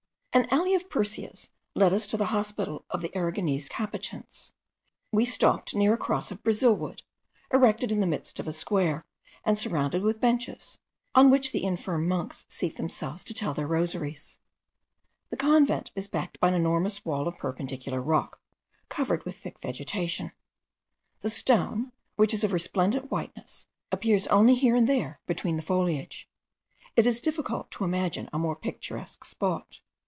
An alley of perseas led us to the Hospital of the Aragonese Capuchins. We stopped near a cross of Brazil wood, erected in the midst of a square, and surrounded with benches, on which the infirm monks seat themselves to tell their rosaries. The convent is backed by an enormous wall of perpendicular rock, covered with thick vegetation. The stone, which is of resplendent whiteness, appears only here and there between the foliage. It is difficult to imagine a more picturesque spot.